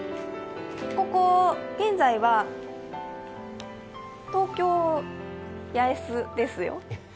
ここ、現在は東京八重洲ですよ。